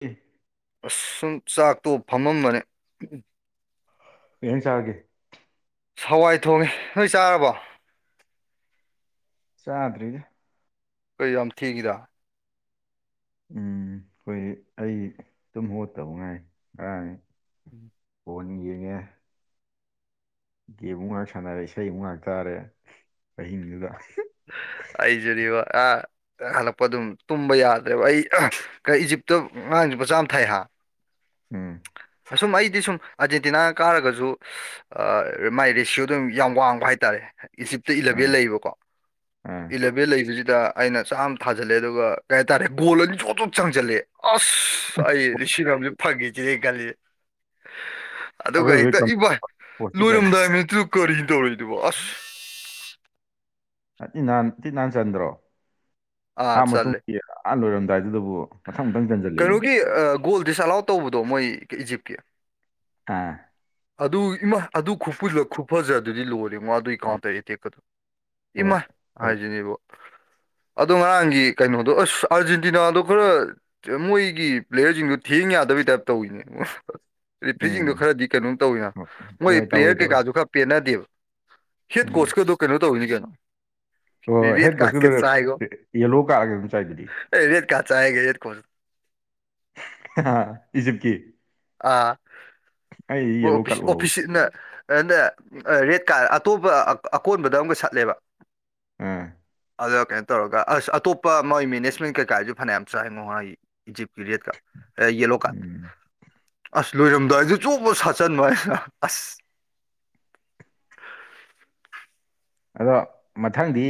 ꯑꯦ ꯑꯁ ꯁꯨꯝ ꯆꯥꯛ ꯇꯣꯛꯑꯒ ꯐꯝꯃꯝꯕꯅꯦ ꯀꯩ ꯍꯦꯟꯖꯥꯡ ꯆꯥꯔꯒꯦ ꯍꯋꯥꯏ ꯊꯣꯡꯉꯦ ꯅꯣꯏ ꯆꯥꯔꯕꯣ ꯆꯥꯗ꯭ꯔꯤꯗ ꯀꯩ ꯌꯥꯝ ꯊꯦꯡꯉꯤꯗ ꯎꯝ ꯈꯣꯏꯒꯤ ꯑꯩꯒꯤ ꯇꯨꯝ ꯍꯧꯒꯠꯇꯕꯨ ꯉꯥꯏꯔꯤ ꯀꯔꯥꯏꯅꯣ [inaudible] ꯕꯣꯜ ꯌꯦꯡꯉꯦ ꯒꯦꯝꯃꯨꯛ ꯉꯩꯍꯥꯛ ꯁꯥꯟꯅꯔꯦ ꯏꯁꯩꯃꯨꯛ ꯉꯩꯍꯥꯛ ꯇꯥꯔꯦ ꯑꯍꯤꯡꯗꯨꯗ ꯑꯩꯁꯨꯅꯤꯕ ꯑꯥ ꯍꯦꯛ ꯍꯜꯂꯛꯄ ꯑꯗꯨꯝ ꯇꯨꯝꯕ ꯌꯥꯗ꯭ꯔꯦꯕ ꯑꯩ ꯏꯖꯤꯞꯇ ꯉꯥꯔꯥꯡꯁꯨ ꯂꯨꯄꯥ ꯆꯥꯃ ꯊꯥꯏ ꯍꯥꯏꯕ ꯎꯝ ꯑꯁꯨꯝ ꯑꯩꯗꯤ ꯁꯨꯝ ꯑꯥꯔꯖꯦꯟꯇꯤꯅꯥꯅ ꯀꯥꯔꯒꯁꯨ ꯑꯥ ꯃꯥꯏ ꯔꯦꯁꯤꯌꯣꯗꯨꯝ ꯌꯥꯝ ꯋꯥꯡꯕ ꯍꯥꯏꯇꯥꯔꯦ ꯏꯖꯤꯞꯇ ꯎꯝ ꯏꯂꯦꯚꯦꯟ ꯂꯩꯌꯦꯕꯀꯣ ꯎꯝ ꯏꯂꯦꯚꯦꯟ ꯂꯩꯕꯖꯤꯗ ꯑꯩꯅ ꯆꯥꯝ ꯊꯥꯖꯜꯂꯦ ꯑꯗꯨꯒ ꯀꯩ ꯍꯥꯏꯇꯥꯔꯦ ꯒꯣꯜ ꯑꯅꯤ ꯖꯣꯞ ꯖꯣꯞ ꯆꯪꯖꯜꯂꯛꯑꯦ ꯑꯁ ꯑꯩ ꯂꯤꯁꯤꯡ ꯑꯃꯗꯤ ꯐꯪꯉꯦ ꯁꯤꯅꯦ ꯑꯩ ꯈꯜꯂꯤꯁꯦ ꯑꯗꯨꯒ ꯑꯔꯣꯏꯕꯩ ꯍꯦꯛꯇ ꯏꯃꯥꯏ ꯄꯣꯁꯇꯤꯗ ꯂꯣꯏꯔꯝꯗꯥꯏ ꯃꯤꯅꯤꯠꯇꯨꯗ ꯀꯔꯤꯅꯣ ꯇꯧꯔꯛꯏꯗꯨꯕꯣ ꯑꯁ ꯊꯤ ꯅꯥꯟ ꯊꯤ ꯅꯥꯟ ꯆꯟꯗ꯭ꯔꯣ ꯑꯥ ꯍꯥꯥꯐ ꯆꯜꯂꯦ ꯃꯇꯨꯡꯒꯤ ꯑꯥ ꯂꯣꯏꯔꯝꯗꯥꯏꯗꯨꯗꯕꯨ ꯃꯊꯪ ꯃꯊꯪ ꯆꯟꯖꯜꯂꯛꯏꯅꯦ ꯀꯩꯅꯣꯒꯤ ꯑ, ꯒꯣꯜ ꯗꯤꯁ ꯑꯂꯥꯎꯠ ꯇꯧꯕꯗꯣ ꯃꯣꯏ ꯏꯖꯤꯞꯀꯤ ꯑꯥ ꯑꯗꯨ ꯏꯃꯥ ꯑꯗꯨ ꯈꯨꯄꯨꯂꯛ ꯈꯨꯐꯖꯗꯗꯨꯗꯤ ꯂꯣꯏꯔꯦ ꯃꯥꯗꯨꯒꯤ ꯑꯧ ꯀꯥꯎꯟꯇꯔ ꯑꯦꯇꯦꯛꯀꯇꯣ ꯍꯣꯏ ꯏꯃꯥꯏ ꯐꯔꯦ ꯍꯥꯏꯖꯤꯅꯦꯕꯣ ꯑꯗꯣ ꯉꯔꯥꯡꯒꯤ ꯀꯩꯅꯣꯗꯣ ꯑꯁ ꯑꯥꯔꯖꯦꯟꯇꯤꯅꯥꯗꯣ ꯈꯔ ꯃꯣꯏꯒꯤ ꯄ꯭ꯂꯦꯌꯔꯁꯤꯡꯗꯣ ꯊꯦꯡ ꯌꯥꯗꯕꯩ ꯇꯥꯏꯞ ꯇꯧꯋꯤꯅꯦ ꯔꯤꯐ꯭ꯔꯤꯖꯤꯡꯗꯣ ꯎꯝ ꯈꯔꯗꯤ ꯀꯩꯅꯣꯝ ꯇꯧꯋꯤꯅ ꯃꯣꯏ ꯍꯣꯏ ꯇꯧꯋꯦ ꯄ꯭ꯂꯦꯌꯔ ꯇꯧꯋꯦ ꯀꯩꯀꯥꯁꯨ ꯈꯔ ꯄꯦꯟꯅꯗꯦꯕ ꯍꯦꯠ ꯎꯝ ꯀꯣꯆꯀꯗꯣ ꯀꯩꯅꯣ ꯇꯧꯏꯅꯤ ꯀꯩꯅꯣ ꯍꯣ ꯍꯣꯏ ꯍꯦꯠ ꯔꯦꯠ ꯀꯥꯔꯠꯀ ꯀꯁꯨꯂꯣꯏꯔꯛ ꯆꯥꯏꯒꯣ ꯌꯦ ꯌꯦꯂꯣ ꯀꯥꯒꯩ ꯗꯨꯝ ꯆꯥꯏꯗꯨꯗꯤ ꯑꯦ ꯔꯦꯗ ꯀꯥ꯭ꯔꯗ ꯆꯥꯏꯒꯦ ꯔꯦꯗ ꯀꯣꯟ ꯏꯖꯤꯞꯀꯤ ꯑꯥ ꯑꯩ ꯃꯣ ꯌꯦꯜꯂꯣ ꯑꯣꯐꯤꯁ ꯀꯥꯔꯠ ꯎꯍꯧꯋꯤ ꯑꯣꯐꯤꯁꯁꯤꯠꯅ ꯑꯟ ꯅꯦ ꯔꯦꯗ ꯀꯥ꯭ꯔꯗ ꯑꯇꯣꯞꯄ ꯑꯥ ꯑ ꯑꯀꯣꯟꯕꯗ ꯑꯝꯒ ꯁꯠꯂꯦꯕ ꯎꯝ ꯑꯗ ꯀꯩꯟ ꯇꯧꯔꯒ ꯑꯁ ꯑꯇꯣꯞꯄ ꯃꯣꯏ ꯃꯦꯅꯦꯖꯃꯦꯟ ꯀꯩꯀꯥꯖꯨ ꯐꯅ꯭ꯌꯥꯝ ꯆꯥꯏꯉꯣ ꯑꯥꯏ ꯏꯖꯤꯞꯀꯤ ꯔꯦꯗꯀ ꯑꯦ ꯌꯦꯜꯂꯣ ꯀꯥꯗ ꯎꯝ ꯑꯁ ꯂꯣꯏꯔꯝꯗꯥꯏꯗ ꯆꯣꯞ ꯕ ꯁꯥꯠꯆꯟꯕ ꯋꯥꯅꯤ ꯅ ꯑꯁ ꯑꯗꯣ ꯃꯊꯪꯗꯤ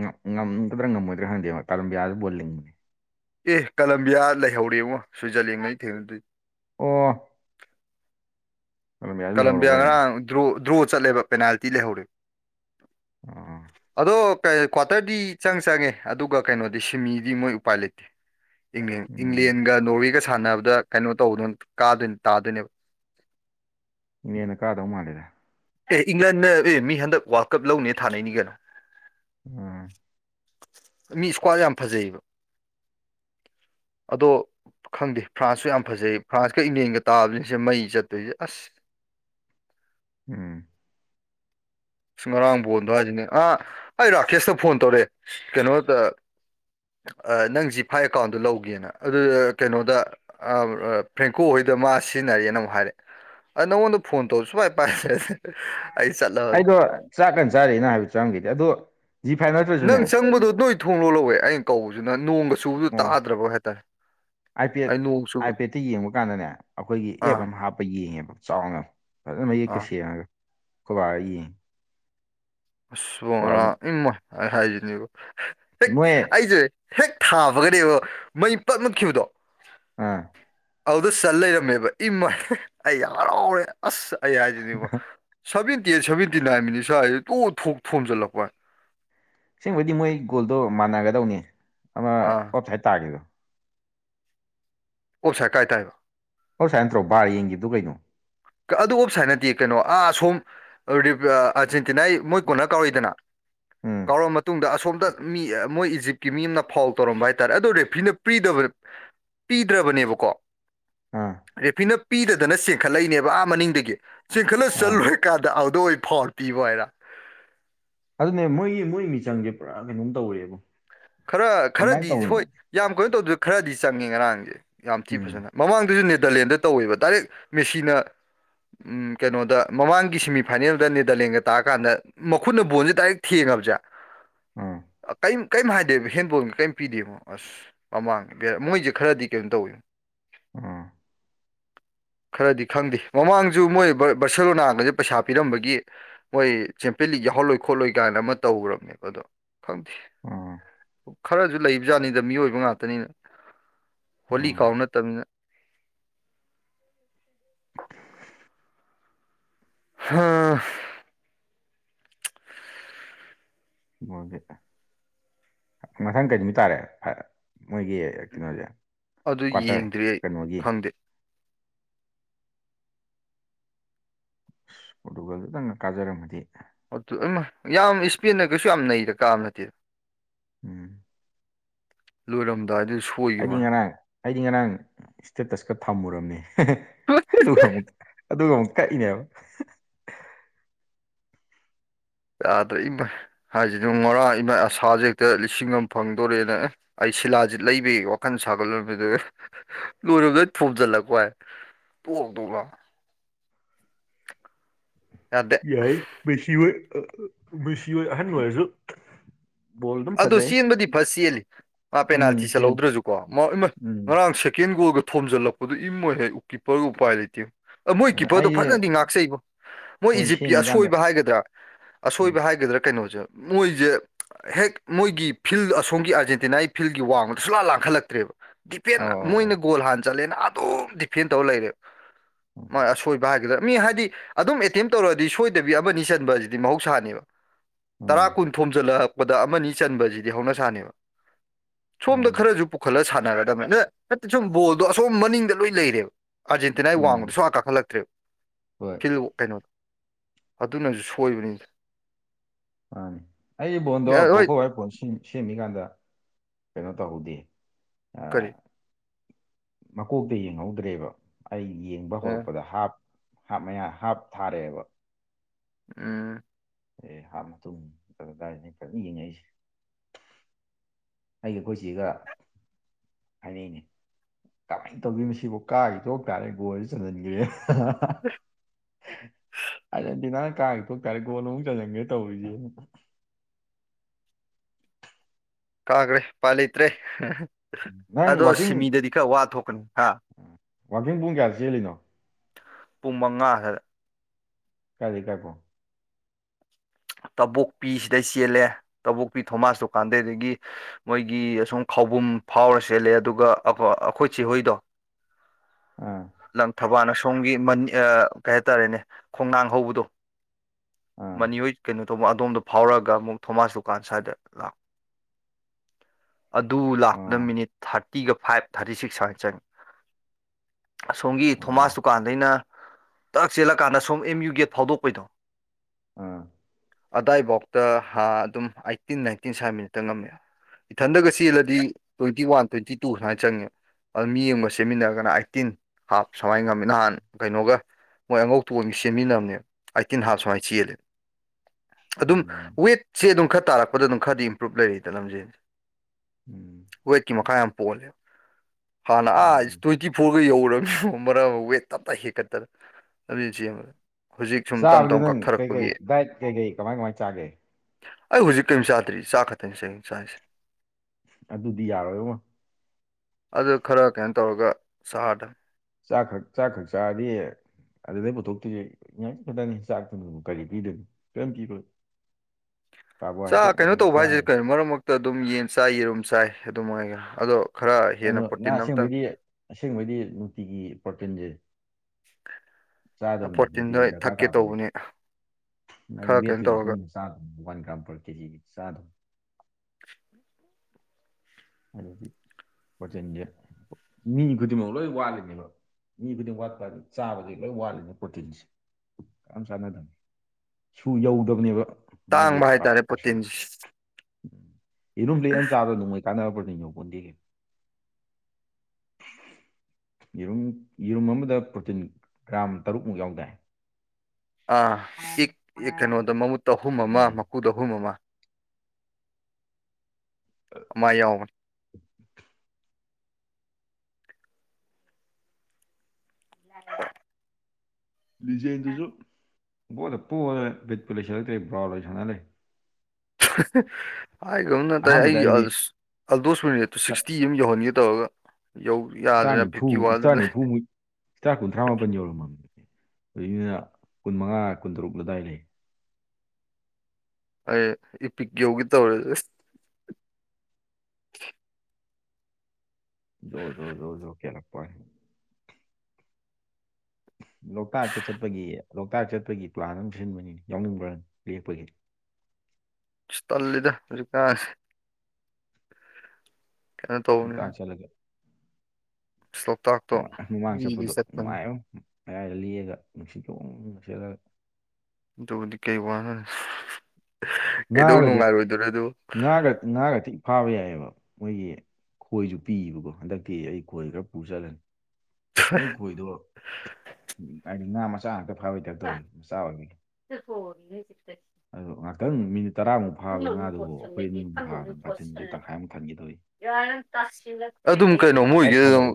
ꯉꯝ ꯉꯝꯒꯗ꯭ꯔ ꯉꯝꯃꯣꯏꯗ꯭ꯔ ꯈꯪꯗꯦꯕꯣ ꯀꯂꯝꯕꯤꯌꯥꯖꯨ ꯕꯣꯜ ꯂꯤꯡꯕ ꯑꯦ ꯀꯂꯝꯕꯤꯌꯥ ꯂꯩꯍꯧꯔꯦꯉꯣ ꯁ꯭ꯋꯤꯖꯔꯂꯦꯟꯒꯅꯤ ꯊꯦꯡꯅꯗꯣꯏ ꯑꯣ ꯀꯂꯝꯕꯤꯌꯥꯁꯨ ꯂꯩꯍꯧꯔꯕ ꯀꯂꯝꯕꯤꯌꯥ ꯑꯣꯏꯔꯦ ꯉꯔꯥꯡ ꯗ꯭ꯔꯣ ꯗ꯭ꯔꯣ ꯆꯠꯂꯦꯕ ꯄꯦꯅꯥꯜꯇꯤ ꯂꯩꯍꯧꯔꯦ ꯑꯣ ꯑꯗꯣ ꯀꯩ ꯀ꯭ꯋꯥꯇꯔꯗꯤ ꯆꯪ ꯆꯪꯉꯦ ꯑꯗꯨꯒ ꯀꯩꯅꯣꯗꯤ ꯁꯤꯃꯤꯗꯤ ꯃꯣꯏ ꯎꯄꯥꯏ ꯂꯩꯇꯦ ꯏꯪꯂꯦꯟ ꯎꯝ ꯏꯪꯂꯦꯟꯒ ꯅꯣꯔꯋꯦꯒ ꯁꯥꯟꯅꯕꯗ ꯀꯩꯅꯣ ꯇꯧꯕꯗꯨꯅ ꯀꯥꯗꯣꯏ ꯇꯥꯗꯣꯏꯅꯦꯕ ꯏꯪꯂꯦꯟꯅ ꯀꯥꯗꯧ ꯃꯥꯜꯂꯦꯗ ꯑꯦ ꯏꯪꯂꯟꯅ ꯑꯦ ꯃꯤ ꯍꯟꯗꯛ ꯋꯥꯜ ꯀꯞ ꯂꯧꯅꯦ ꯊꯥꯅꯩꯅꯤ ꯀꯩꯅꯣ ꯑꯣ ꯃꯤ ꯁꯀ꯭ꯋꯥꯠ ꯌꯥꯝ ꯐꯖꯩꯑꯦꯕ [inaudible] ꯑꯗꯣ ꯈꯪꯗꯦ ꯐ꯭ꯔꯥꯟꯁꯁꯨ ꯌꯥꯝ ꯐꯖꯩ ꯐ꯭ꯔꯥꯟꯁꯀ ꯏꯪꯂꯦꯟꯒ ꯇꯥꯕꯖꯤꯁꯦ ꯃꯩ ꯆꯠꯇꯣꯏꯖꯦ ꯑꯁ ꯎꯝ ꯁꯨ ꯉꯔꯥꯡ ꯕꯣꯟꯗꯣ ꯍꯥꯏꯗꯤꯅꯦ ꯑꯥ ꯑꯩ ꯔꯥꯀꯦꯁꯇ ꯐꯣꯟ ꯇꯧꯔꯑꯦ ꯀꯩꯅꯣꯗ ꯑ ꯅꯪ ꯖꯤꯐꯥꯏ ꯑꯦꯀꯥꯎꯟꯗꯣ ꯂꯧꯒꯦꯅ ꯑꯗꯨꯗ ꯀꯩꯅꯣꯗ ꯑ ꯑꯥ ꯐ꯭ꯔꯦꯡꯀꯣ ꯍꯣꯏꯗ ꯃꯥ ꯁꯤꯟꯅꯔꯦꯅ ꯑꯃꯨꯛ ꯍꯥꯏꯔꯦ ꯑ ꯅꯉꯣꯟꯗ ꯐꯣꯟ ꯇꯧꯔ ꯁꯨ ꯄꯥꯏ ꯄꯥꯏ ꯇ꯭ꯔꯦ ꯑꯩꯗꯣ ꯆꯥꯛ ꯀꯟ ꯆꯥꯔꯤ ꯅ ꯍꯥꯏꯕ ꯆꯪꯒꯤꯗꯦ ꯑꯗꯣ ꯖꯤ ꯐꯥꯏꯚꯔꯗꯨ ꯅꯪ ꯆꯪꯕꯗꯣ ꯅꯣꯏ ꯊꯣꯡ ꯂꯣꯂꯧꯋꯦ ꯑꯩ ꯀꯧꯕꯖꯤꯅ ꯅꯣꯡꯒ ꯆꯨꯕꯗꯨ ꯇꯥꯗ꯭ꯔꯕ ꯍꯥꯏ ꯇꯥꯔꯦ ꯑꯥꯏ ꯄꯦꯗ ꯑꯥꯏꯄꯦꯗꯇ ꯌꯦꯡꯕ ꯀꯥꯟꯗꯅꯦ ꯑꯈꯣꯏꯒꯤ ꯑꯦꯞ ꯑꯥ ꯑꯃ ꯍꯥꯞꯄ ꯌꯦꯡꯉꯦꯕ ꯆꯥꯎꯅ ꯐꯖ ꯃꯌꯦꯛꯇꯣ ꯑꯥ ꯁꯦꯡꯉꯒ ꯈꯣꯕꯥꯍꯣꯏ ꯌꯦꯡ ꯑꯁ ꯏꯕꯣ ꯉꯔꯥꯡ ꯎꯝꯃꯥꯏ ꯑꯩ ꯍꯥꯏꯖꯤꯅꯦꯕꯨ ꯍꯦꯛ ꯃꯣꯏ ꯑꯩꯖꯦ ꯍꯦꯛ ꯊꯥꯕꯒꯅꯦꯕ ꯃꯩ ꯄꯠ ꯃꯨꯠꯈꯤꯕꯗꯣ ꯑꯥ ꯑꯧꯗ ꯆꯜ ꯂꯩꯔꯝꯃꯦꯕ ꯏꯃꯥꯏ ꯑꯩ ꯍꯔꯥꯎꯔꯦ ꯑꯁ ꯑꯩ ꯍꯥꯏꯖꯤꯅꯤꯕꯣ seventy eight seventy nine minute ꯁ꯭ꯋꯥꯏꯖꯤ ꯇꯣꯞ ꯊꯣ ꯊꯣꯛ ꯊꯣꯝꯖꯤꯜꯂꯛꯄ ꯋꯥ ꯑꯁꯦꯡꯕꯩꯗꯤ ꯃꯣꯏ ꯒꯣꯜꯗꯣ ꯃꯥꯟꯅꯒꯗꯧꯅꯤ ꯑꯃ ꯑꯥ ꯑꯣꯞ ꯁꯥꯏꯠ ꯇꯥꯒꯤꯗꯣ ꯑꯣꯞꯁꯥꯏꯠ ꯀꯥꯏ ꯇꯥꯏꯕ ꯑꯣꯞ ꯁꯥꯏꯠ ꯅꯠꯇ꯭ꯔꯣ ꯕꯥꯔ ꯌꯦꯡꯒꯤꯕꯗꯨ ꯀꯩꯅꯣ ꯀ ꯑꯗꯨ ꯑꯣꯞ ꯁꯥꯏꯠ ꯅꯠꯇꯦ ꯀꯩꯅꯣ ꯑꯥ ꯁꯣꯝ ꯑꯔꯗꯤꯄꯥ ꯑꯥ ꯑꯥꯔꯖꯦꯟꯇꯤꯅꯥꯏ ꯃꯣꯏ ꯀꯣꯅꯔ ꯀꯧꯔꯏꯗꯅ ꯎꯝ ꯀꯥꯎꯔ ꯃꯇꯨꯡꯗ ꯑꯁꯣꯝꯗ ꯃꯤ ꯃꯣꯏ ꯏꯖꯤꯞꯀꯤ ꯃꯤ ꯑꯝꯅ ꯐꯥꯎꯜ ꯇꯧꯔꯝꯕ ꯍꯥꯏꯇꯥꯥꯔꯦ ꯑꯗꯣ ꯔꯦꯐ꯭ꯔꯤꯅ ꯄꯤꯗꯕ ꯄꯤꯗ꯭ꯔꯕꯅꯦꯕꯀꯣ ꯑ ꯔꯦꯐ꯭ꯔꯤꯅ ꯄꯤꯗꯗꯅ ꯆꯦꯟꯈꯠꯂꯛꯏꯅꯦꯕ ꯑꯥ ꯃꯅꯤꯡꯗꯒꯤ ꯆꯦꯟꯈꯠꯂ ꯑꯥ ꯆꯠꯂꯣꯏ ꯀꯥꯗ ꯑꯥꯎꯗ ꯑꯣꯏ ꯐꯥꯎꯜ ꯄꯤꯕ ꯍꯥꯏꯔ ꯑꯗꯨꯅꯦ ꯃꯣꯏꯒꯤ ꯃꯣꯏ ꯃꯤꯆꯪꯖꯦ ꯄꯨꯔꯥ ꯀꯩꯅꯣꯝ ꯇꯧꯋꯦꯕꯨ ꯈꯔ ꯈꯔꯗꯤ ꯍꯣꯏ ꯌꯥꯝ ꯀꯅꯣ ꯇꯧꯗ꯭ꯔ ꯈꯔꯗꯤ ꯆꯪꯉꯦ ꯉꯔꯥꯡꯖꯦ ꯌꯥꯝ ꯊꯤ ꯎꯝ ꯐꯖꯅ ꯃꯃꯥꯡꯗꯖꯨ ꯅꯦꯗꯔꯂꯦꯟꯗ ꯇꯧꯋꯦꯕ ꯗꯥꯏꯔꯦꯛ ꯃꯦꯁꯤꯅ ꯎꯝ ꯀꯩꯅꯣꯗ ꯃꯃꯥꯡꯒꯤ ꯁꯦꯃꯤ ꯐꯥꯏꯅꯦꯜꯗ ꯅꯦꯗꯔꯂꯦꯟꯒ ꯇꯥꯀꯥꯟꯗ ꯃꯈꯨꯠꯅ ꯕꯣꯟꯖꯦ ꯗꯥꯏꯔꯦꯛ ꯊꯦꯡꯉꯕꯖꯦ ꯑꯥ ꯀꯩꯝ ꯀꯩꯝ ꯍꯥꯏ ꯗꯦꯃꯤ ꯍꯦꯟꯕꯣꯟꯒ ꯀꯔꯤꯝ ꯄꯤꯗꯦꯃꯣ ꯑꯁ ꯃꯃꯥꯡꯒꯤꯗꯦ ꯃꯣꯏꯖꯦ ꯈꯔꯗꯤ ꯀꯩꯅꯣ ꯇꯧꯋꯤ ꯎꯝ ꯈꯔꯗꯤ ꯈꯪꯗꯦ ꯃꯃꯥꯡꯖꯨ ꯃꯣꯏ ꯕꯔ ꯕꯔꯁꯦꯂꯣꯅꯥꯒꯖꯦ ꯄꯩꯁꯥ ꯄꯤꯔꯝꯕꯒꯤ ꯃꯣꯏ ꯆꯦꯝꯄꯤꯌꯟ ꯂꯤꯒ ꯌꯥꯎꯍꯜꯂꯣꯏ ꯈꯣꯠꯂꯣꯏ ꯒꯥꯏꯅ ꯑꯃ ꯇꯧꯒ꯭ꯔꯕꯅꯦꯕ ꯑꯗꯣ ꯈꯪꯗꯦ ꯑꯥ ꯈꯔꯁꯨ ꯂꯩꯕꯖꯥꯠꯅꯤꯗ ꯃꯤꯑꯣꯏꯕ ꯉꯥꯛꯇꯅꯤꯅ ꯍꯣꯂꯤ ꯑꯥ ꯀꯥꯎ ꯅꯠꯇꯕꯅꯤꯅ [inaudible] ꯍꯥ [unintelligible] ꯃꯊꯪ ꯀꯩ ꯅꯨꯃꯤꯠ ꯇꯥꯔꯦ ꯍꯥ ꯃꯣꯏꯒꯤ [unintelligible] ꯇꯤꯅꯣꯁꯦ ꯑꯗꯨ ꯀ꯭ꯋꯥꯇꯔ ꯌꯦꯡꯗ꯭ꯔꯤ ꯑꯩ ꯀꯩꯅꯣꯒꯤ ꯈꯪꯗꯦ ꯄꯣꯔꯇꯨꯒꯜꯗꯨꯇꯪꯒ ꯀꯥꯖꯔꯝꯃꯗꯤ ꯑꯗꯨ ꯏꯃꯥ ꯌꯥꯝ ꯏꯁꯄꯤꯟꯅ ꯀꯁꯨ ꯌꯥꯝ ꯅꯩꯔ ꯀꯥꯕ ꯅꯠꯇꯦꯗ ꯎꯝ ꯂꯣꯏꯔꯝꯗꯥꯏꯗꯨꯗ ꯁꯨ ꯑꯩꯗꯤ ꯉꯔꯥꯡ ꯑꯩꯗꯤ ꯉꯔꯥꯡ ꯏꯁꯇꯦꯇꯁꯀ ꯊꯝꯃꯨꯔꯝꯅꯦ ꯋꯥꯅꯤ ꯑꯗꯨꯒ ꯑꯃꯨꯛ ꯑꯗꯨꯒ ꯑꯃꯨꯛ ꯀꯛꯏꯅꯦꯕ ꯌꯥꯗ꯭ꯔꯦ ꯏꯃꯥꯏ ꯍꯥꯏꯁꯤꯅꯤ ꯉꯔꯥꯡ ꯏꯃꯥꯏ ꯑꯁꯥꯖꯦ ꯍꯦꯛꯇ ꯂꯤꯁꯤꯡ ꯑꯃ ꯐꯪꯗꯣꯔꯦꯅ ꯑꯦ ꯑꯩ ꯁꯤꯂꯥꯖꯤꯠ ꯂꯩꯕꯒꯤ ꯋꯥꯈꯜ ꯁꯥꯒꯠ [unintelligible] ꯂꯣꯏꯔꯨꯕꯗꯩ ꯊꯣꯝꯖꯤꯜꯂꯛꯄꯏ ꯄꯣꯛ ꯇꯣꯛꯂ ꯌꯥꯗꯦ ꯌꯥꯏ ꯃꯦꯁꯤꯑꯣꯢ ꯃꯦꯁꯤꯑꯣꯏ ꯑꯍꯟ ꯑꯣꯢꯔꯁꯨ ꯑꯗꯨ ꯆꯦꯟꯕꯗꯤ ꯐ ꯆꯦꯜꯂꯤ ꯃꯥ ꯄꯦꯅꯥꯜꯇꯤ ꯎꯝ ꯆꯦꯜꯂꯤ ꯆꯠꯍꯧꯗ꯭ꯔꯁꯨꯀꯣ ꯃꯥ ꯏꯃꯥꯢ ꯎꯝ ꯉꯔꯥꯡ ꯁꯦꯀꯦꯟ ꯒꯣꯜꯒ ꯊꯣꯝꯖꯜꯂꯛ ꯑꯗꯨ ꯏꯃꯣꯏ ꯍꯦꯛ ꯑꯦꯛ ꯀꯤꯞꯄꯔꯒ ꯎꯄꯥꯏ ꯂꯩꯇꯦ ꯃꯣꯏ ꯀꯤꯞꯄꯔꯗꯣ ꯐꯖꯅꯗꯤ ꯑꯩꯁꯦ ꯉꯥꯛꯆꯩꯕꯣ ꯃꯣꯏ ꯐꯣꯟ ꯏꯖꯤꯞꯀꯤ ꯁꯦꯝꯃꯤꯀꯥꯟꯗ ꯑꯁꯣꯏꯕ ꯍꯥꯏꯒꯗ꯭ꯔꯥ ꯎꯝ ꯑꯁꯣꯏꯕ ꯍꯥꯏꯒꯗ꯭ꯔꯥ ꯀꯩꯅꯣꯁꯦ ꯃꯣꯏꯁꯦ ꯍꯦꯛ ꯃꯣꯏꯒꯤ ꯐꯤꯜ ꯑꯁꯣꯝꯒꯤ ꯑꯥꯔꯖꯦꯟꯇꯤꯅꯥꯒꯤ ꯐꯤꯜꯒꯤ ꯋꯥꯡꯃꯗ ꯁꯨꯡꯂꯥꯟ ꯂꯥꯟꯈꯠꯂꯛꯇ꯭ꯔꯦꯕ ꯗꯤꯐꯦꯟ ꯑꯧ ꯃꯣꯏꯅ ꯑꯧ ꯒꯣꯜ ꯍꯥꯟꯅ ꯆꯠꯂꯦꯅ ꯑꯗꯨꯝ ꯗꯤꯐꯦꯟ ꯇꯧꯔ ꯂꯩꯔꯦ ꯑꯧ ꯃꯣꯏ ꯑꯁꯣꯏꯕ ꯍꯥꯏꯒꯗ꯭ꯔ ꯃꯤ ꯍꯥꯏꯗꯤ ꯑꯗꯨꯝ ꯑꯦꯇꯦꯝ ꯇꯧꯔꯗꯤ ꯁꯣꯏꯗꯕꯤ ꯑꯃꯅꯤ ꯆꯟꯕꯖꯤꯗꯤ ꯍꯥꯢꯁꯤꯗꯤ ꯃꯍꯧꯁꯥꯅꯦꯕ ꯇꯔꯥ ꯎꯝ ꯀꯨꯟ ꯊꯣꯝꯖꯜꯂꯛꯑ ꯄꯗ ꯑꯃ ꯅꯤ ꯆꯟꯕꯁꯤꯗꯤ ꯍꯧꯅꯁꯥꯅꯦꯕ ꯁꯣꯝꯗ ꯎꯝ ꯎꯝ ꯈꯔꯁꯨ ꯄꯨ ꯄꯨꯈꯠꯂ ꯁꯥꯟꯅꯔꯗꯝꯅꯦ ꯅꯥ ꯅꯠꯇꯦ ꯁꯨꯝ ꯕꯣꯜꯗꯣ ꯑꯁꯣꯝ ꯃꯅꯤꯡꯗ ꯂꯣꯏ ꯂꯩꯔꯦꯕ ꯑꯥꯔꯖꯦꯟꯇꯤꯅꯥꯏ ꯋꯥꯡꯃꯗ ꯎꯝ ꯁꯨꯀꯥ ꯀꯥꯈꯠꯂꯛꯇ꯭ꯔꯦꯕ ꯍꯣꯏ ꯐꯤꯜ ꯀꯩꯅꯣ ꯑꯗꯨꯅꯁꯨ ꯁꯣꯏꯕꯅꯤ ꯃꯥꯅꯦ ꯑꯩ ꯕꯣꯟꯗꯣ ꯍꯣꯏ [unintelligible] ꯁꯦꯝꯃꯤꯀꯥꯟꯗ ꯀꯩꯅꯣ ꯇꯧꯍꯧꯗꯦ ꯑꯥ ꯀꯔꯤ ꯃꯀꯣꯛꯇꯩ ꯌꯦꯡꯍꯧꯗ꯭ꯔꯦꯕ ꯑꯩ ꯌꯦꯡꯕ ꯍꯧꯔꯛꯄꯗ ꯍꯥꯞ ꯍꯥꯞ ꯃꯌꯥ ꯍꯥꯞ ꯊꯥꯔꯛꯑꯦꯕ ꯎꯝ꯫ ꯑꯦ ꯍꯥꯞ ꯃꯇꯨꯡ ꯑꯗꯨꯗꯅꯤ ꯐꯖꯟ ꯌꯦꯡꯉꯛꯏꯁꯦ ꯑꯩꯒ ꯑꯈꯣꯏ ꯆꯦꯒ ꯍꯥꯏꯅꯩꯅꯦ ꯀꯃꯥꯏꯟ ꯇꯧꯗꯣꯢꯅꯣ ꯁꯤꯕꯨ ꯀꯥꯒꯤ ꯇꯣꯛ ꯇꯥꯔꯦ ꯒꯣꯜꯁꯤ ꯆꯟꯁꯟꯒ꯭ꯔꯦ ꯑꯔꯖꯦꯟꯇꯤꯅꯅꯥ ꯀꯥꯒꯤ ꯇꯣꯛ ꯇꯥꯔꯦ ꯒꯣꯜ ꯑꯃꯨꯛ ꯆꯟꯁꯟꯒ꯭ꯔꯦ ꯇꯧꯔꯤꯁꯤꯕꯨ ꯀꯥꯒ꯭ꯔꯦ ꯎꯄꯥꯏ ꯂꯩꯇ꯭ꯔꯦ ꯅꯪ ꯑꯗꯣ ꯋꯥꯛꯀꯤꯡ ꯁꯤꯃꯤꯗꯗꯤ ꯈꯔ ꯋꯥ ꯊꯣꯛꯀꯅꯤ ꯍꯥ ꯋꯥꯀꯤꯡ ꯄꯨꯡ ꯀꯌꯥ ꯆꯦꯜꯂꯤꯅꯣ ꯄꯨꯡ ꯃꯉꯥ ꯁꯥꯏꯗ ꯀꯥꯏꯗꯩ ꯀꯥꯢꯐꯥꯎ ꯇꯕꯣꯛꯄꯤ ꯁꯤꯗꯩ ꯆꯦꯜꯂꯦ ꯇꯕꯣꯛꯄꯤ ꯊꯣꯃꯥꯁ ꯗꯨꯀꯥꯟꯗꯩ ꯑꯗꯥꯒꯤ ꯃꯣꯏꯒꯤ ꯑꯁꯨꯝ ꯈꯧꯕꯨꯝ ꯐꯥꯎꯔ ꯆꯦꯠꯂꯦ ꯑꯗꯨꯒ ꯑ ꯑꯩꯈꯣꯏ ꯆꯦꯍꯣꯏꯗꯣ ꯂꯝ ꯊꯕꯥꯟ ꯑꯁꯣꯝꯒꯤ ꯃꯟ ꯑꯥ ꯀꯩ ꯍꯥꯏꯇꯥꯔꯦꯅꯦ ꯈꯣꯡꯅꯥꯡ ꯍꯧꯕꯗꯣ ꯃꯅꯤ ꯍꯣꯏ ꯀꯩꯅꯣ ꯇꯧꯕ ꯑꯗꯣꯝꯗꫭ ꯐꯥꯎꯔꯛꯑꯒ ꯑꯃꯨꯛ ꯊꯣꯃꯥꯁ ꯗꯨꯀꯥꯟ ꯁ꯭ꯋꯥꯏꯗ ꯂꯥꯛ ꯑꯗꯨ ꯂꯥꯛꯄꯗ ꯃꯤꯅꯤꯠ ꯊꯥꯔ ꯇꯤꯒ ꯐꯥꯏꯚ ꯊꯥꯔꯇꯤ ꯁꯤꯛꯁ ꯁꯥꯡ ꯆꯪꯏ ꯑꯁꯣꯝꯒꯤ ꯊꯣꯃꯥꯁ ꯗꯨꯀꯥꯟꯗꯩꯅ ꯇꯛ ꯆꯦꯜꯂꯑꯀꯥꯟꯗ ꯁꯣꯝ ꯑꯦꯝ ꯌꯨ ꯒꯦꯠ ꯐꯥꯎꯗꯣꯛꯄꯩꯗꯣ ꯑꯥ ꯑꯗꯥꯏꯕꯥꯎꯇ ꯍꯥ ꯑꯗꯨꯝ ꯑꯦꯠꯇꯤꯟ ꯅꯥꯏꯟꯇꯤꯟ ꯁ꯭ꯋꯥꯏ ꯃꯤꯅꯤꯠꯇ ꯉꯝꯃꯦ ꯏꯊꯟꯗꯒ ꯆꯦꯜꯂꯗꯤ ꯇ꯭ꯋꯦꯟꯇꯤ ꯋꯥꯟ ꯇ꯭ꯋꯦꯟꯇꯤ ꯇꯨ ꯁꯨꯃꯥꯏ ꯆꯪꯉꯦ ꯑꯥ ꯃꯤ ꯑꯃꯒ ꯆꯦꯟꯃꯤꯟꯅꯔꯒꯅ ꯑꯥꯏꯠꯇꯤꯟ ꯍꯥꯞ ꯁꯨꯃꯥꯏ ꯉꯝꯃꯤ ꯅꯍꯥꯟ ꯀꯩꯅꯣꯒ ꯃꯣꯏ ꯑꯉꯧ ꯇꯣꯟ ꯆꯦꯟꯃꯤꯟꯅꯕꯅꯦ ꯑꯥꯏꯠꯇꯤꯟ ꯍꯥꯞ ꯁꯨꯃꯥꯏ ꯆꯦꯜꯂꯦ ꯑꯗꯨꯝ ꯋꯦꯠꯁꯦ ꯑꯗꯨꯝ ꯈꯔ ꯇꯥꯔꯛꯄꯗ ꯑꯗꯨꯝ ꯈꯔꯗꯤ ꯏꯝꯄ꯭ꯔꯨꯨꯞ ꯂꯩꯔꯤꯗ ꯂꯝꯖꯦꯜꯁꯦ ꯎꯝ꯫ ꯋꯦꯠꯀꯤ ꯃꯈꯥ ꯌꯥꯝ ꯄꯣꯜꯂꯦꯕ ꯍꯥꯟꯅ ꯑꯥ ꯏꯁꯇꯨꯠ ꯐꯤꯞꯇꯤ ꯐꯣꯔꯒ ꯌꯧꯔꯕꯅꯤꯉꯣ ꯃꯔꯛ ꯑꯃ ꯋꯦꯠ ꯇꯞꯇꯥꯏ ꯍꯦꯡꯀꯠꯇꯅ ꯑꯗꯨꯅ ꯆꯦꯟꯕꯗ ꯍꯧꯖꯤꯛ ꯁꯨꯝ ꯇꯞ ꯆꯥꯕꯗꯤ ꯇꯞ ꯅꯪ ꯀꯩꯀꯩ ꯀꯛꯊꯔꯛꯄꯒꯤ ꯗꯥꯏꯠ ꯀꯩꯀꯩ ꯀꯃꯥꯏ ꯀꯃꯥꯏ ꯆꯥꯒꯦ ꯑꯩ ꯍꯧꯖꯤꯛ ꯀꯩꯝ ꯆꯥꯗ꯭ꯔꯤ ꯆꯥꯛ ꯈꯛꯇꯅꯤ ꯆꯦꯡ ꯆꯥꯏꯁꯦ ꯑꯗꯨꯗꯤ ꯌꯥꯔꯣꯏꯉꯣ ꯑꯗꯨ ꯈꯔ ꯀꯩꯅꯣ ꯇꯧꯔꯒ ꯆꯥꯔꯗꯝ ꯆꯥꯛꯈꯛ ꯆꯥꯛꯈꯛ ꯆꯥꯔꯗꯤ ꯑꯗꯨꯗꯩ ꯄꯨꯊꯣꯛꯇꯣꯏꯁꯦ ꯉꯥꯏ ꯈꯤꯇꯪꯅꯤ ꯆꯥꯛꯇꯨꯅꯕꯨ ꯀꯔꯤ ꯄꯤꯗꯣꯏꯅꯣ ꯀꯔꯤꯝ ꯄꯤꯔꯣꯏ ꯆꯥ ꯀꯥꯔꯕꯣꯍꯥꯏꯗ꯭ꯔꯦꯠ ꯀꯩꯅꯣ ꯉꯥꯛꯇꯪ ꯇꯧꯕ ꯍꯥꯏꯁꯦ ꯆꯥꯔꯅꯤ ꯀꯩꯅꯣ ꯃꯔꯛ ꯃꯔꯛꯇ ꯑꯗꯨꯝ ꯌꯦꯟ ꯆꯥꯏ ꯌꯦꯔꯨꯝ ꯆꯥꯏ ꯑꯗꯨꯃꯉꯥꯏ ꯀꯩꯅꫭ ꯑꯗꯣ ꯈꯔ ꯍꯦꯟꯅ ꯑꯗꯣ ꯅꯪ ꯄ꯭ꯔꯣꯇꯤꯟ ꯑꯝꯇꯪ ꯑꯁꯦꯡꯕꯩꯗꯤ ꯑꯁꯦꯡꯕꯩꯗꯤ ꯅꯨꯡꯇꯤꯒꯤ ꯄ꯭ꯔꯣꯇꯤꯟꯁꯦ ꯆꯥꯗꯕꯅꯦ ꯄ꯭ꯔꯣꯇꯤꯟꯗꯣ ꯅꯨꯡꯇꯤꯒꯤ ꯑꯩ ꯗꯔꯀꯥꯔ ꯊꯛꯀꯦ ꯇꯥꯕꯅꯦ ꯇꯧꯕꯅꯦ ꯅꯪ ꯈꯔ ꯀꯩꯅꯣ ꯋꯦꯠꯇꯨꯒꯤ ꯇꯧꯔꯒ ꯃꯇꯨꯡ ꯏꯟꯅ ꯆꯥꯗꯧꯅꯤ ꯋꯥꯟ ꯒꯥꯔꯝ ꯄꯔ ꯀꯦꯖꯤꯒꯤ ꯆꯥꯗꯧ ꯑꯗꯨꯗꯤ ꯄ꯭ꯔꯣꯇꯤꯟꯁꯦ ꯃꯤ ꯈꯨꯗꯤꯡꯃꯛ ꯂꯣꯏ ꯋꯥꯠꯂꯤꯅꯦꯕ ꯃꯤ ꯈꯨꯗꯤꯡ ꯋꯥꯠꯄ ꯍꯥꯏꯁꯦ ꯆꯥꯕꯗꯩ ꯂꯣꯏ ꯋꯥꯠꯂꯤꯅꯦ ꯄ꯭ꯔꯣꯇꯤꯟꯁꯦ ꯀꯅꯥꯝ ꯆꯥꯟꯅꯗꯝꯅꯤ ꯁꯨ ꯌꯧꯗꯕꯅꯦꯕ ꯇꯥꯡꯕ ꯍꯥꯏꯇꯥꯔꯦ ꯄ꯭ꯔꯣꯇꯤꯟꯁꯤ ꯎꯝ ꯌꯦꯔꯨꯝ ꯄ꯭ꯂꯦꯠ ꯑꯃ ꯆꯥꯕ ꯅꯣꯡꯃꯩ ꯀꯥꯟꯅꯕ ꯄ꯭ꯔꯣꯇꯤꯟ ꯌꯧꯄꯣꯠꯇꯦ ꯀꯩꯅꫭ ꯌꯦꯔꯨꯝ ꯌꯦꯔꯨꯝ ꯑꯃꯗ ꯄ꯭ꯔꯣꯇꯤꯟ ꯒ꯭ꯔꯥꯝ ꯇꯔꯨꯛꯃꯨꯛ ꯌꯥꯎꯗꯥꯏ ꯑꯥ ꯑꯦꯛ ꯑꯦ ꯀꯩꯅꯣꯗ ꯃꯃꯨꯠꯇꯣ ꯑꯍꯨꯝ ꯑꯃ ꯑꯗꯨꯅꯤ ꯃꯀꯨꯗ ꯑꯍꯨꯝ ꯑꯃ ꯃꯥ ꯌꯥꯎꯕꯅꯦ [unintelligible] [unintelligible] ꯂꯤꯖꯦꯟꯗꯨꯁꯨ ꯒꯣꯗꯅ ꯄꯣꯗꯅ ꯕꯤꯠꯄꯨ ꯂꯩꯁꯤꯜꯂꯛꯇ꯭ꯔꯦ ꯕ꯭ꯔꯥꯎ ꯑꯣꯏ ꯁꯥꯟꯅ ꯂꯩ ꯍꯥꯏꯒꯨꯝꯅ [unintelligible] ꯑꯍꯥꯟꯕꯗ ꯑꯩ ꯑꯩꯗꯤ ꯑꯜꯁ ꯑꯜꯗꯣꯁ ꯃꯦꯔꯤꯠꯇꯨ ꯁꯤꯛꯁꯇꯤ ꯑꯃ ꯌꯧꯍꯟꯒꯦ ꯇꯧꯔꯒ ꯌꯧ ꯏꯁꯇꯥꯔ ꯌꯥꯗꯅ ꯅꯤꯐꯨ ꯐꯤꯐꯇꯤ ꯋꯥꯟ ꯑꯗꯨꯝ ꯏꯁꯇꯥꯔ ꯂꯩ ꯅꯤꯐꯨ ꯃꯨꯛ ꯁꯇꯥ꯭ꯔ ꯀꯨꯟꯊ꯭ꯔꯥ ꯃꯥꯄꯟ ꯌꯧꯔꯝꯃꯝꯅꯤ ꯍꯧꯖꯤꯛꯁꯤꯅ ꯀꯨꯟꯃꯉꯥ ꯀꯨꯟꯇꯔꯨꯛ ꯑꯗꯥꯏ ꯂꯩ ꯑꯩ ꯏꯄꯤꯛ ꯌꯧꯒꯦ ꯇꯧꯔꯤ ꯖꯣ ꯖꯣ ꯖꯣ ꯖꯣ ꯀꯦꯜꯂꯛꯄꯋꯥꯅꯤ ꯂꯣꯛꯇꯥꯛꯇ ꯆꯠꯄꯒꯤ ꯂꯣꯛꯇꯥꯛ ꯆꯠꯄꯒꯤ ꯄ꯭ꯂꯥꯟ ꯑꯃ ꯁꯤꯟꯕꯅꯤꯅꯤ ꯌꯥꯎꯅꯤꯡꯕ꯭ꯔ ꯂꯦꯛꯄꯒꯤꯅꯤ ꯑꯁ ꯇꯜꯂꯤꯗ ꯍꯧꯖꯤꯛꯀꯥꯥꯟꯁꯦ ꯀꯩꯅꯣ ꯂꯣꯛꯇꯥꯛ ꯆꯠꯂꯒꯦ ꯂꯣꯛꯇꯥꯛ ꯃꯃꯥꯡ ꯆꯠꯄꯗꯣ ꯅꯨꯡꯉꯥꯏꯉꯣ ꯃꯌꯥꯏꯗ ꯂꯤꯔꯒ ꯅꯨꯡꯁꯤꯠꯀ ꯍꯨꯝ ꯍꯨꯝ ꯁꯤꯠꯂꯒ ꯗꯨꯕꯨꯗꯤ ꯀꯩ ꯋꯥꯅꯣꯅꯦ ꯀꯩꯗꯧ ꯉꯥꯒꯗꯤ ꯅꯨꯡꯉꯥꯏꯔꯣꯏꯗꯣꯏꯅꯣ ꯑꯗꯨ [unintelligible] ꯐꯥꯕ ꯌꯥꯏꯑꯦꯕ ꯃꯣꯏꯒꯤ ꯈꯣꯏꯁꯨ ꯄꯤꯌꯦꯕꯀꯣ ꯍꯟꯗꯛꯇꯤ ꯑꯩ ꯈꯣꯏ ꯈꯔ ꯄꯨ ꯆꯠꯂꯅꯤ ꯃꯣꯏ ꯈꯣꯏꯗꯣ ꯍꯥꯏꯗꯤ ꯉꯥ ꯃꯆꯥ ꯉꯥꯛꯇ ꯐꯥꯕꯩ ꯊꯥꯏꯞ ꯇꯧꯋꯦ ꯃꯆꯥ ꯑꯣꯏꯕꯒꯤ ꯑꯗꯨ ꯉꯥꯛꯇꯪ ꯃꯤꯅꯤꯠ ꯇꯔꯥꯃꯨꯛ ꯐꯥꯕꯗ ꯉꯥꯗꯨꯕꯨ ꯑꯈꯣꯏ ꯑꯅꯤ ꯑꯍꯨꯝ ꯐꯥꯕꯗ ꯚꯥꯇꯤꯟꯁꯦ ꯇꯪꯈꯥꯏ ꯑꯃꯨꯛ ꯊꯟꯒꯦ ꯇꯧꯏ [unintelligible] ꯑꯗꯨꯝ ꯀꯩꯅꯣ ꯍꯦꯛ ꯃꯣꯏꯁꯦ ꯑꯗꯨ ꯊꯥꯗꯕ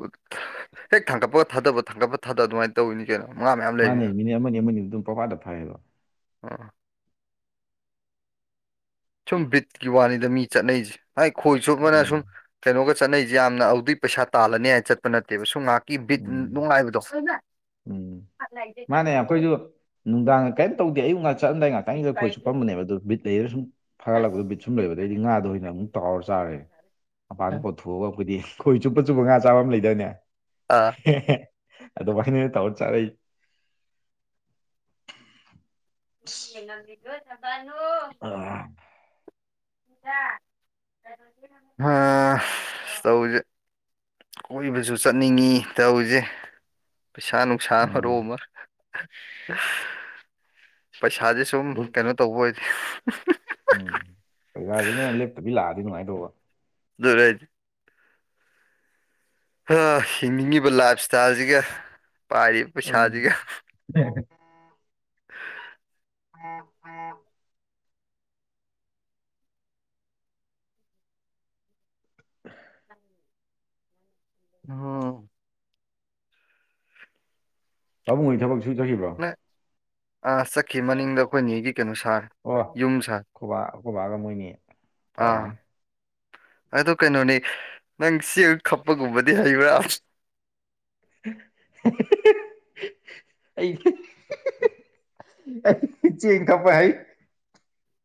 ꯍꯦꯛ ꯊꯥꯡꯒꯠꯄꯒ ꯊꯥꯗꯕ ꯊꯥꯡꯒꯠꯄ ꯊꯥꯗꯕ ꯑꯗꯨꯃꯥꯏꯅ ꯇꯧꯏꯅꯤ ꯀꯩꯅꯣ ꯉꯥ ꯃꯌꯥꯝ ꯃꯥꯅꯦ ꯂꯩꯕꯅꯤꯅ ꯃꯤꯅꯤꯠ ꯑꯃꯅꯤ ꯑꯃꯅꯤ ꯑꯗꯨꯝ ꯄꯪꯐꯥꯗ ꯐꯥꯏꯌꯦꯕ ꯑꯥ ꯁꯨꯝ ꯕꯤꯠꯀꯤ ꯋꯥꯅꯤꯗ ꯃꯤ ꯆꯠꯅꯩꯁꯦ ꯍꯥꯏ ꯈꯣꯏ ꯆꯨꯞꯅꯔꯁꯨꯝ ꯎꯝ ꯀꯩꯅꯣꯒ ꯆꯠꯅꯩꯁꯦ ꯌꯥꯝꯅ ꯑꯗꯨꯗꯩ ꯄꯩꯁꯥ ꯇꯥꯜꯂꯅꯤ ꯍꯥꯏꯅ ꯆꯠꯄ ꯅꯠꯇꯦꯕ ꯁꯨꯝ ꯉꯥꯏꯍꯥꯛ ꯉꯥꯏꯈꯥꯛꯀꯤ ꯕꯤꯠ ꯎꯝ ꯅꯨꯡꯉꯥꯏꯕꯗꯣ ꯅꯨꯡꯗꯥꯡꯒ ꯀꯩꯝ ꯇꯧꯗꯦ ꯑꯌꯨꯛ ꯉꯥꯛ ꯆꯠꯂꯝꯗꯥꯏ ꯉꯥꯛꯇꯡꯗꯨꯏꯗ ꯈꯣꯏ ꯆꯨꯄꯝꯕꯅꯦꯕ ꯑꯗꯣ ꯕꯤꯠ ꯂꯩꯔ ꯁꯨꯝ ꯐꯒꯠꯂꯛꯄ ꯕꯤꯠ ꯁꯨꯝ ꯂꯩꯕꯗꯩꯗꯤ ꯉꯥꯗꯣ ꯑꯣꯏꯅ ꯑꯃꯨꯛ ꯇꯥꯎꯔꯥ ꯆꯥꯔꯦ ꯃꯄꯥꯟꯗ ꯄꯧꯊꯣꯛꯑꯒ ꯑꯈꯣꯏꯗꯤ ꯈꯣꯏ ꯆꯨꯞꯄ ꯆꯨꯞꯄ ꯉꯥ ꯆꯥꯕꯝ ꯂꯩꯗꯥꯏꯅꯦ ꯑꯥ ꯍꯦ ꯍꯦ ꯑꯗꯨꯃꯥꯏꯅꯒ ꯇꯧꯔꯥ ꯆꯥꯔꯛꯏ [unintelligible] ꯑꯥ ꯍꯥꯥ ꯇꯧꯏꯁꯦ ꯀꯣꯏꯕꯁꯨ ꯆꯠꯅꯤꯡꯉꯤ ꯇꯧꯔꯤꯁꯦ ꯄꯩꯁꯥ ꯅꯨꯡ ꯄꯩꯁꯥꯅ ꯎꯝ ꯃꯔꯣꯜ ꯑꯃ ꯄꯩꯁꯥꯥꯁꯦ ꯁꯨꯝ ꯒꯨꯠ ꯀꯩꯅꯣ ꯇꯧꯕ ꯑꯣꯏꯗꯤ ꯄꯩꯁꯥꯁꯤꯅ ꯂꯦꯞꯇꯕꯤ ꯂꯥꯛꯑꯗꯤ ꯅꯨꯉꯥꯏꯗꯧꯕ [unintelligible] ꯍꯥ ꯍꯤꯡꯅꯤꯡꯉꯤꯕ ꯂꯥꯏ꯭ꯐ ꯁꯇꯥꯏ꯭ꯜꯁꯤꯒ ꯄꯥꯏꯔꯤ ꯑꯝ [unintelligible] [unintelligible] [inaudible] [unintelligible] ꯄꯥꯕꯨꯡ ꯍꯣꯏ ꯊꯕꯛ ꯁꯨ ꯆꯠꯈꯤꯕ꯭ꯔꯣ ꯅ ꯑꯥ ꯆꯠꯈꯤ ꯃꯅꯤꯡꯗ ꯑꯩꯈꯣꯏ ꯅꯦꯒꯤ ꯀꯩꯅꯣ ꯁꯥꯔꯤ ꯑꯣ ꯈꯣꯕꯥ ꯈꯣꯏꯕꯥꯒ ꯃꯣꯏꯅꯤ ꯑꯥ ꯇꯧꯔꯝꯒꯅꯤ ꯑꯗꯨ ꯀꯩꯅꯣꯅꯦ ꯅꯪ ꯆꯦꯡ ꯈꯞꯄꯒꯨꯝꯕꯗꯤ ꯍꯩꯕ꯭ꯔꯥ ꯑꯩ ꯆꯦꯡ ꯈꯞꯄ ꯍꯩ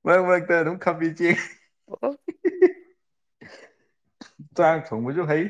ꯃꯔꯛ ꯃꯔꯛꯇ ꯑꯗꯨꯝ ꯈꯞꯄꯤ ꯆꯦꯡ ꯑꯣ ꯑꯣ ꯆꯥꯛ ꯊꯣꯡꯕꯁꯨ ꯍꯩ